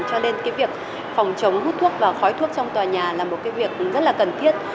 cho nên cái việc phòng chống hút thuốc và khói thuốc trong tòa nhà là một cái việc rất là cần thiết